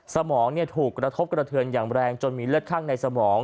สมองถูกกระทบกระเทือนอย่างแรงจนมีเลือดข้างในสมอง